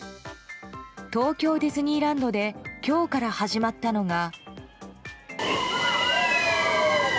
東京ディズニーランドで今日から始まったのが。